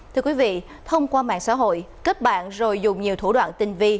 thưa quý vị thông qua mạng xã hội kết bạn rồi dùng nhiều thủ đoạn tinh vi